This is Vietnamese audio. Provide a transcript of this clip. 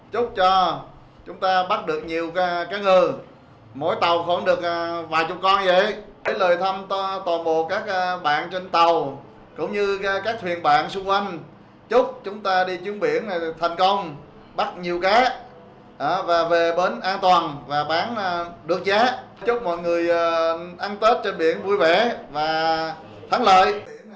chúc ngư dân an toàn và bán được giá chúc mọi người ăn tết trên biển vui vẻ và thắng lợi